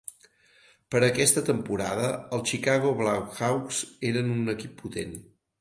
Per a aquesta temporada, els Chicago Blackhawks eren un equip potent.